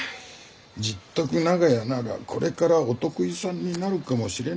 十徳長屋ならこれからお得意さんになるかもしれないし。